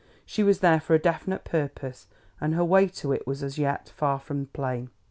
She was there for a definite purpose and her way to it was, as yet, far from plain.